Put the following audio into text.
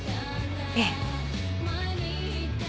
ええ。